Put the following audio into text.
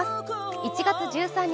１月１３日